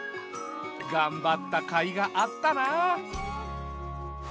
がんばったかいがあったな。